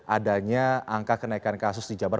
adanya angka kenaikan kasus di jabar